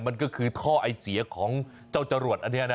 มันก็คือท่อไอเสียของเจ้าจรวดอันนี้นะ